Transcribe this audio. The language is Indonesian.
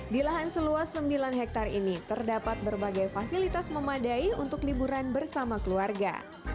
di lahan seluas sembilan hektare ini terdapat berbagai fasilitas memadai untuk liburan bersama keluarga